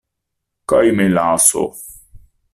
Kaj melaso!